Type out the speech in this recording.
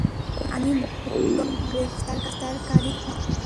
আমি বললাম, উত্তম গ্রেফতারকারী হন।